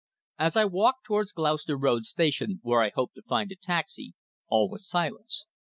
As I walked towards Gloucester Road Station where I hoped to find a taxi all was silence.